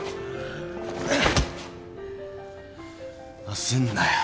焦んなよ。